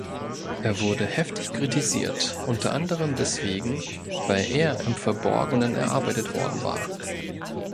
Er wurde heftig kritisiert, unter anderem deswegen, weil er im Verborgenen erarbeitet worden war.